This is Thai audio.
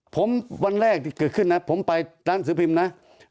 ผมวันแรกที่เกิดขึ้นนะผมไปร้านสือพิมพ์นะ